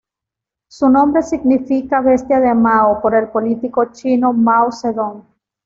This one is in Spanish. Su nombre significa "bestia de Mao" por el político chino Mao Zedong.